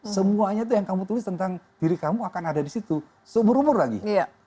semuanya itu yang kamu tulis tentang diri kamu akan ada di situ seumur umur lagi